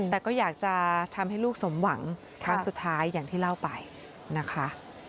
แต่ก็อยากจะทำให้ลูกสมหวังครั้งสุดท้ายอย่างที่เล่าไปนะคะ